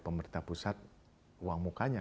pemerintah pusat uang mukanya